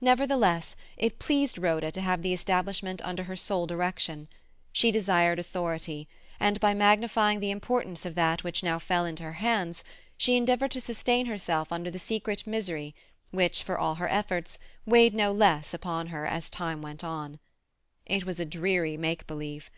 Nevertheless, it pleased Rhoda to have the establishment under her sole direction; she desired authority, and by magnifying the importance of that which now fell into her hands, she endeavoured to sustain herself under the secret misery which, for all her efforts, weighed no less upon her as time went on. It was a dreary make believe.